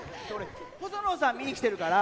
細野さん見に来てるから。